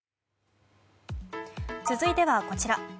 続いてはこちら。